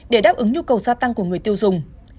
để đáp ứng nhu cầu gia tăng của người tiêu dùng